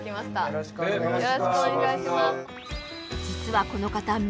よろしくお願いします